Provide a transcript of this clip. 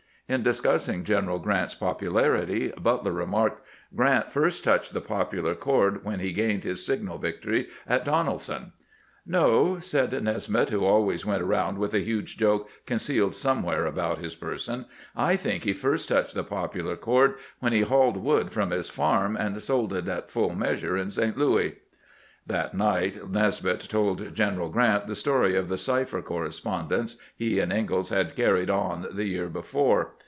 In discussing Gen eral Grant's popularity, Butler remarked :" Grant first touched the popular chord when he gained his signal victory at Donelson." " No," said Nesmith, who always went round with a huge joke concealed somewhere about his person ;" I think he first touched the popular cord when he hauled wood from his farm and sold it at full measure in St. Louis." That night Nes'mith told General Grant the story of the cipher correspondence he and Ingalls had carried on the year before.